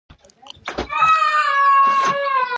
ازادي راډیو د مالي پالیسي د منفي اړخونو یادونه کړې.